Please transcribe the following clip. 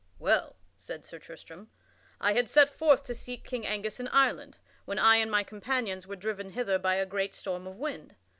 "Well," said Sir Tristram, "I had set forth to seek King Angus in Ireland, when I and my companions were driven hither by a great storm of wind.